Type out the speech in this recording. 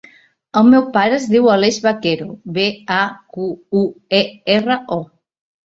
El meu pare es diu Aleix Baquero: be, a, cu, u, e, erra, o.